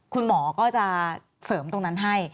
คุณหมอก็จะเสริมตรงนั้นให้